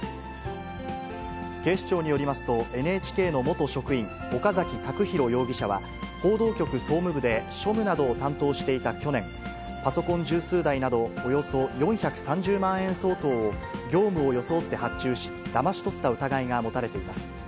警視庁によりますと、ＮＨＫの元職員、岡崎卓太容疑者は、報道局総務部で庶務などを担当していた去年、パソコン十数台など、およそ４３０万円相当を、業務を装って発注し、だまし取った疑いが持たれています。